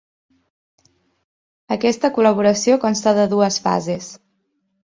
Aquesta col·laboració consta de dues fases.